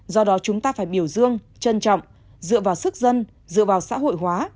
do đó chúng ta phải biểu dương trân trọng dựa vào sức dân dựa vào xã hội hóa